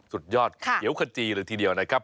สุดยอดเขียวขจีเลยทีเดียวนะครับ